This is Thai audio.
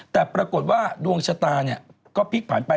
แต่ปรากฏว่าดวงชะตาก็พลิกผ่านไป